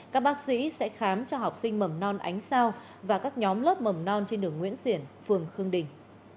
các bác sĩ sẽ khám cho học sinh mầm non ánh sao và các nhóm lớp mầm non trên đường nguyễn xiển phường khương đình